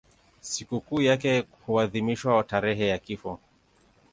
Sikukuu yake huadhimishwa tarehe ya kifo.